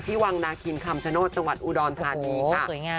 ที่วางนาคีนคำฉนต์จังหวัดอุดอลธานีค่ะ